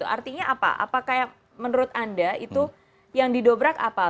artinya apa apakah menurut anda itu yang didobrak apa